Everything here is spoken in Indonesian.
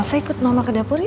saya ikut mama ke dapur